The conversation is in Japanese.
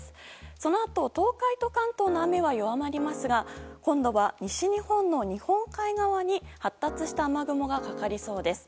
そのあと、東海と関東の雨は弱まりますが今度は西日本の日本海側に発達した雨雲がかかりそうです。